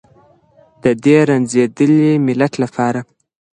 د دې رنځېدلي ملت لپاره.